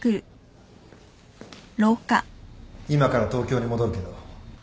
今から東京に戻るけど。